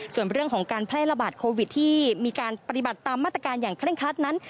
ส่วนเรื่องของการแพร่ระบาดโควิดที่มีการปฏิบัติตามมาตรการอย่างเคร่งครัดนั้น